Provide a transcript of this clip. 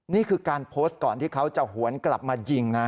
นี่คือการโพสต์ก่อนที่เขาจะหวนกลับมายิงนะ